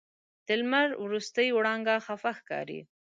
د لمر وروستۍ وړانګه خفه ښکاري